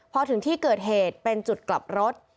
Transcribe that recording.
พอถึงที่เกิดเหตุเป็นจุดกลับรถ